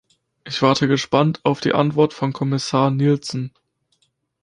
Ich warte gespannt auf die Antwort von Kommissar Nielson.